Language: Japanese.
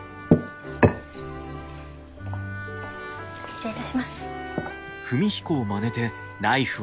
失礼いたします。